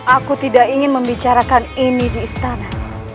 aku tidak ingin membicarakan ini di istana